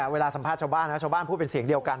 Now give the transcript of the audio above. เวลาสัมภาษณ์ชาวบ้านนะชาวบ้านชาวบ้านพูดเป็นเสียงเดียวกัน